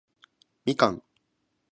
蜜柑